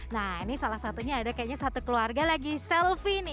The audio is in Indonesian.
nah ini salah satunya ada kayaknya satu keluarga lagi selfie nih